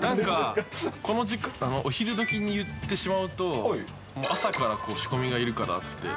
なんか、お昼時にいってしまうと、朝から仕込みがいるからって。